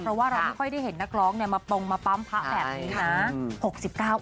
เพราะว่าเราไม่ค่อยได้เห็นนักร้องมาปงมาปั๊มพระแบบนี้นะ